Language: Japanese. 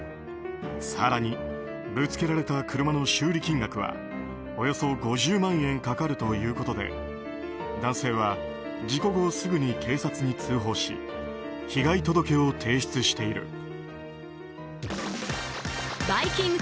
更にぶつけられた車の修理金額はおよそ５０万円かかるということで男性は事故後すぐに警察に通報し被害届を提出している。